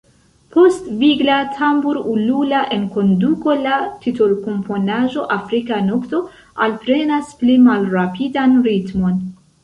Post vigla tambur-ulula enkonduko, la titolkomponaĵo Afrika nokto alprenas pli malrapidan ritmon.